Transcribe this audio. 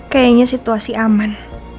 kayaknya situasi aman